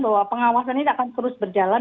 bahwa pengawasan ini akan terus berjalan